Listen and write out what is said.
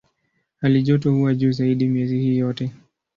Halijoto huwa juu zaidi miezi hii yote.